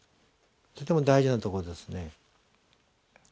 とても大事なところですね。